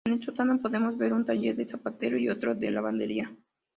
En el sótano podemos ver un taller de zapatero y otro de lavandería.